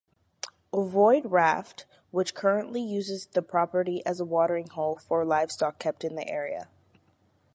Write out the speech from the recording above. Ovoid raft, which currently uses the property as a watering hole for livestock kept in the area.